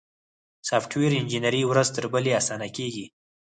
سافټویر انجینري ورځ تر بلې اسانه کیږي.